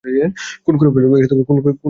খুন করে ফেল!